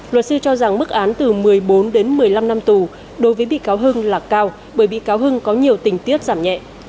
luật sư cho rằng mức án từ một mươi bốn đến một mươi năm năm tù đối với bị cáo hưng là cao bởi bị cáo hưng có nhiều tình tiết giảm nhẹ